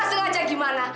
alah tidak sengaja gimana